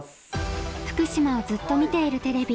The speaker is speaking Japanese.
「福島をずっと見ているＴＶ」